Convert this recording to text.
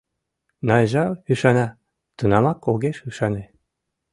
— Найжа ӱшана, тунамак огеш ӱшане.